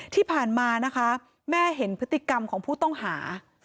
ที่ผ่านมานะคะแม่เห็นพฤติกรรมของผู้ต้องหา